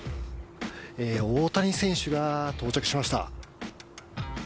大谷選手が到着しました。